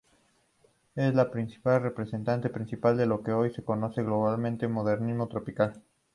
Es el principal representante principal de lo que hoy se conoce globalmente modernismo tropical.